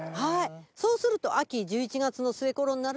そうすると。